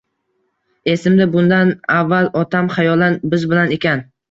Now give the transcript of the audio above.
Esimda, bundan avval otam xayolan biz bilan ekan.